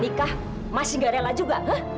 nikah masih gak rela juga